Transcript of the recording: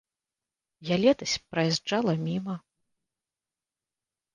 Я летась праязджала міма.